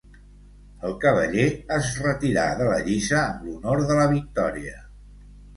El cavaller es retirà de la lliça amb l'honor de la victòria.